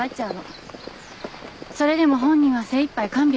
それでも本人は精いっぱい看病してるつもりなのよ。